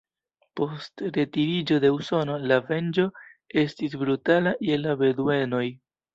Post retiriĝo de Usono, la venĝo estis brutala je la beduenoj.